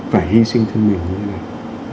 phải hy sinh thân mình như thế này